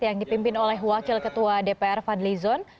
yang dipimpin oleh wakil ketua dpr fadlizon